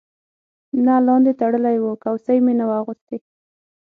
نه لاندې تړلی و، کوسۍ مې نه وه اغوستې.